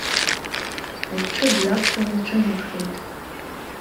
Лҽы дҩақәтәаны лҿыналхеит.